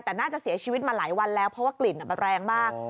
แต่น่าจะเสียชีวิตมาหลายวันแล้วเพราะว่ากลิ่นมันแรงมาก